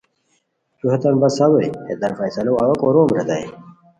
تو ہیتان بساوے ہیتان فیصلو اوا کوروم ریتائے